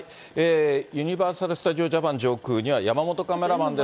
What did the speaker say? ユニバーサル・スタジオ・ジャパン、上空にはやまもとカメラマンです。